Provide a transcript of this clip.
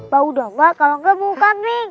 bau dapet kalau gak bau kating